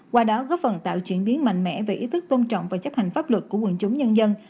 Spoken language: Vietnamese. qua đó góp phần tạo chuyển biến mạnh mẽ về ý thức tôn trọng và chấp hành pháp luật của quần chúng nhân dân